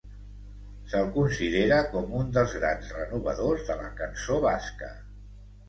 Se'l considera com un dels grans renovadors de la cançó basca.